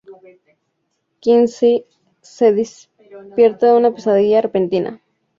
Kinsey se despierta de una pesadilla repentina.